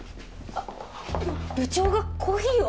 部長がコーヒーを？